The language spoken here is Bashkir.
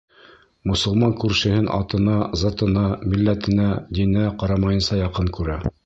Мосолман күршеһен атына, затына, милләтенә, диненә ҡарамайынса яҡын күрә.